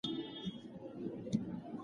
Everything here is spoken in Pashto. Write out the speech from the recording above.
د کورنۍ يووالی يې مهم ګاڼه.